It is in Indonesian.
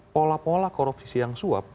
pola pola korupsisi yang suap